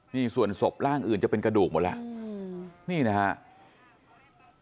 นี่ส่วนศพร่างอื่นจะเป็นกระดูกหมดแล้วนี่นะครับ